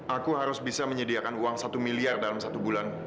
aku harus bisa menyediakan uang satu miliar dalam satu bulan